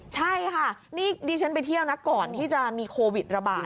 ใช่ค่ะนี่ดิฉันไปเที่ยวนะก่อนที่จะมีโควิดระบาด